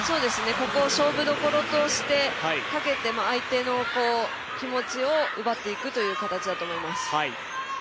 ここを勝負所としてかけて相手の気持ちを奪っていく形だと思います。